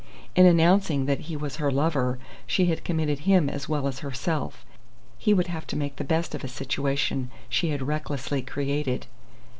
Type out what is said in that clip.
In announcing that he was her "lover," she had committed him as well as herself. He would have to make the best of a situation she had recklessly created.